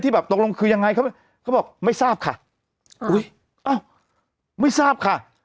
แบบตกลงคือยังไงเขาเขาบอกไม่ทราบค่ะอุ้ยอ้าวไม่ทราบค่ะ